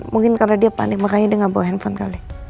mungkin karena dia panik makanya dia nggak bawa handphone kali